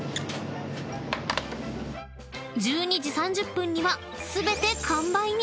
［１２時３０分には］